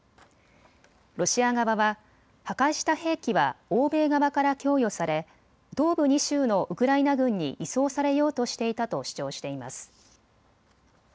ロシア側は破壊した兵器は欧米側から供与され東部２州のウクライナ軍に移送されようとしていたと主張しています。